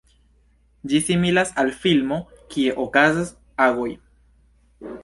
Ĝi similas al filmo, kie okazas agoj.